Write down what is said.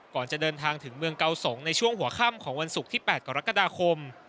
จะเดินทางถึงเมืองเกาสงในช่วงหัวค่ำของวันศุกร์ที่๘กรกฎาคม